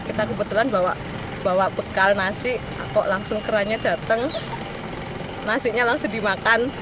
kita kebetulan bawa bekal nasi kok langsung keranya datang nasinya langsung dimakan